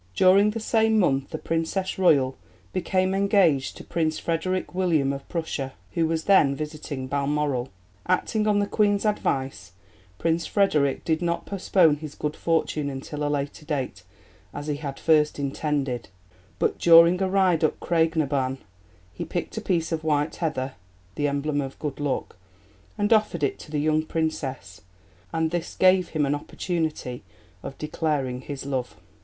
During the same month the Princess Royal became engaged to Prince Frederick William of Prussia, who was then visiting Balmoral. Acting on the Queen's advice, Prince Frederick did not postpone his good fortune until a later date, as he had at first intended, but during a ride up Craig na Ban, he picked a piece of white heather (the emblem of 'good luck') and offered it to the young Princess, and this gave him an opportunity of declaring his love.